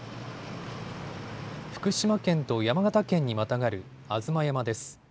福島県と山形県にまたがる吾妻山です。